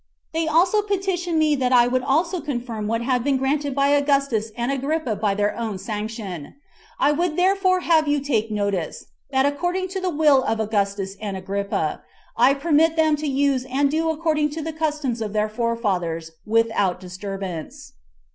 They also petitioned me that I also would confirm what had been granted by Augustus and Agrippa by my own sanction. I would therefore have you take notice, that according to the will of Augustus and Agrippa, I permit them to use and do according to the customs of their forefathers without disturbance."